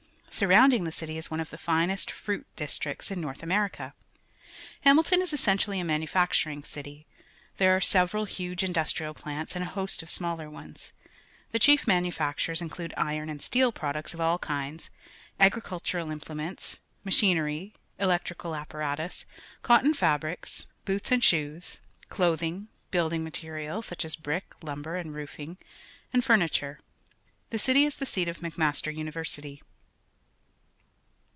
Surrounding the city is one of the finest iVuii .li tiict ; In North Vmeiica. Hamilton is essentially a maiiufa.c t m jng cit y. There are several huge industrial plants and a host of smaller ones. The chief ma nufactures inc lude iron and steel prod ucts of all kinds, a gijcultural implements, machin ery, electrical apparatus, cotton fabrics, boots and shoes, clothing, building material, such as briek, luinlioi', and roofing, and furniture. The city is the seat (if AIc]\Iaster Univ ersity.